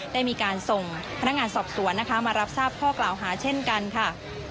ได้มีการส่งพนักงานสอบสวนนะคะมารับทราบข้อกล่าวหาเช่นกันค่ะ